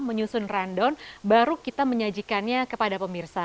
menyusun rundown baru kita menyajikannya kepada pemirsa